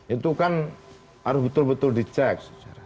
itu kan harus betul betul dicek